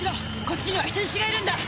こっちには人質がいるんだ。